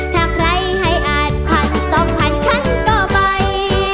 ถ้าใครให้อ่านพันสองพันฉันก็ไป